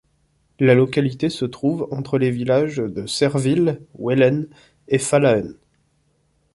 La localité se trouve entre les villages de Serville, Weillen et Falaën.